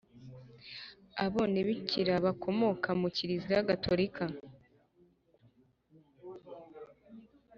abenebikira bakomoka muri kiliziya gatolika